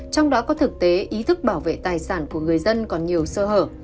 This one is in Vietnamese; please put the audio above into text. trong đó có thực tế ý thức bảo vệ tài sản của người dân còn nhiều sơ hở